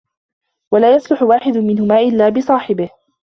وَلَا يَصْلُحُ وَاحِدٌ مِنْهُمَا إلَّا بِصَاحِبِهِ